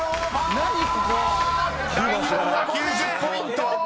［第２問は９０ポイント！］